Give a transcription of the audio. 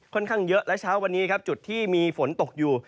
ข้างเยอะและเช้าวันนี้ครับจุดที่มีฝนตกอยู่